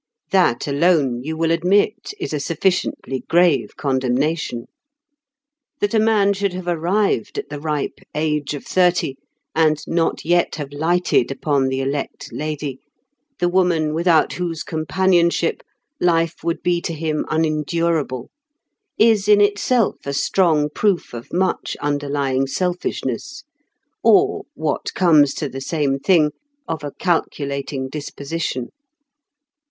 That alone, you will admit, is a sufficiently grave condemnation. That a man should have arrived at the ripe age of thirty and not yet have lighted upon the elect lady—the woman without whose companionship life would be to him unendurable is in itself a strong proof of much underlying selfishness, or, what comes to the same thing, of a calculating disposition.